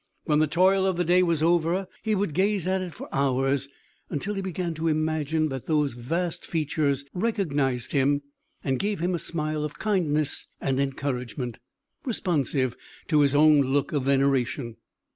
When the toil of the day was over, he would gaze at it for hours, until he began to imagine that those vast features recognised him, and gave him a smile of kindness and encouragement, responsive to his own look of veneration.